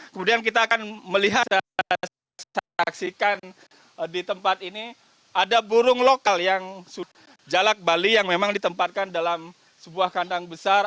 kemudian kita akan melihat dan saksikan di tempat ini ada burung lokal yang jalak bali yang memang ditempatkan dalam sebuah kandang besar